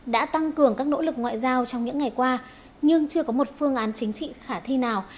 đã tăng cường các nỗ lực ngoại giao trong những ngày qua nhưng chưa có một phương án chính trị khả thi nào